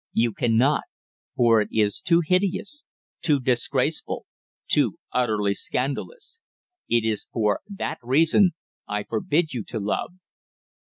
"You cannot for it is too hideous too disgraceful too utterly scandalous! It is for that reason I forbid you to love!"